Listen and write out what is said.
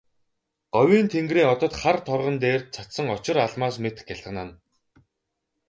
Говийн тэнгэрийн одод хар торгон дээр цацсан очир алмаас мэт гялтганан.